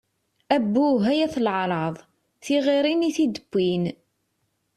Abbuh, ay at leεṛaḍ! Tiɣiṛin i tid-wwin!